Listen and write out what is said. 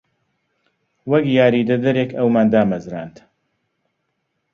وەک یاریدەدەرێک ئەومان دامەزراند.